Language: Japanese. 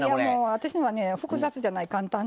私のはね複雑じゃない簡単なので。